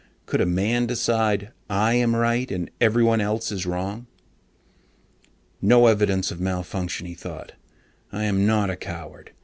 Could a man decide, "I am right, and everyone else is wrong?" No evidence of malfunction, he thought. _I am not a coward.